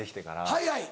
はいはい。